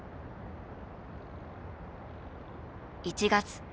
１月。